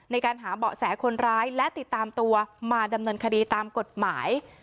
ในการหาเบาะแสคนร้ายและติดตามตัวมาดำเนินคดีตามกฎหมาย